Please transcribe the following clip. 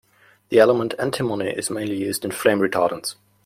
The element antimony is mainly used in flame retardants.